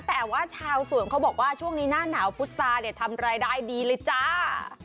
แต่ว่าชาวสวนเขาบอกว่าช่วงนี้หน้าหนาวพุษาเนี่ยทำรายได้ดีเลยจ้า